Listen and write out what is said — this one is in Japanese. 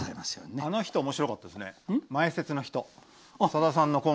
あの人おもしろかったですね。